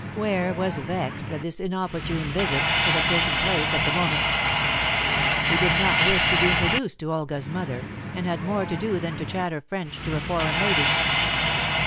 Ware was vexed that this inopportune visit should have taken place at the moment. He did not wish to be introduced to Olga's mother, and had more to do than to chatter French to a foreign lady.